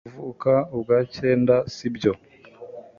kuvuka ubwa cyenda sibyo